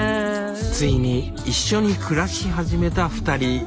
ついに一緒に暮らし始めた２人。